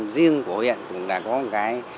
riêng của huyện cũng đã có một cái